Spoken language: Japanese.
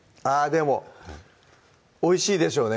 でもおいしいでしょうね